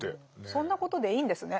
そんなことでいいんですね